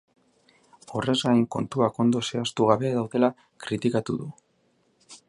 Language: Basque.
Horrez gain, kontuak ondo zehaztu gabe daudela kritikatu du.